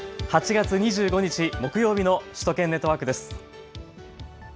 ８月２５日木曜日の首都圏ネットワークです。